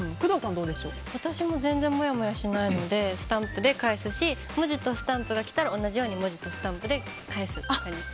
私も全然もやもやしないのでスタンプで返すし文字とスタンプが来たら同じように文字とスタンプで返す感じです。